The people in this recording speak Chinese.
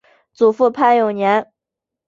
祖父潘永年。